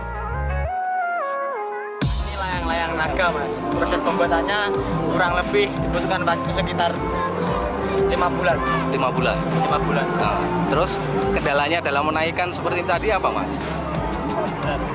terus kendalanya dalam menaikan seperti tadi apa mas